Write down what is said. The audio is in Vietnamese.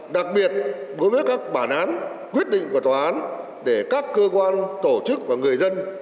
đặc biệt đối với các bản án quyết định của tòa án để các cơ quan tổ chức và người dân